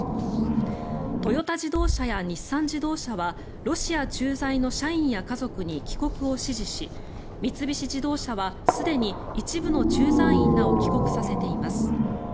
トヨタ自動車や日産自動車はロシア駐在の社員や家族に帰国を指示し、三菱自動車はすでに一部の駐在員らを帰国させています。